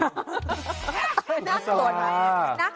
น่าสะลดนะ